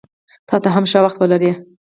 تاته هم ښه وخت ولرې!